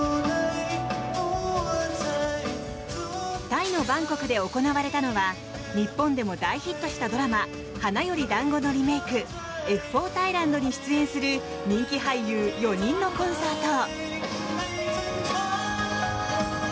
タイのバンコクで行われたのは日本でも大ヒットしたドラマ「花より男子」のリメイク「Ｆ４Ｔｈａｉｌａｎｄ」に出演する人気俳優４人のコンサート。